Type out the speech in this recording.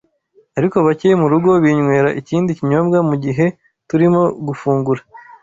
ariko bake mu rugo binywera ikindi kinyobwa mu gihe turimo gufungura